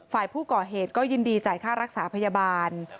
ฝ่ายผู้ก่อเหตุก็ยินดีจ่ายค่ารักษาพยาบาล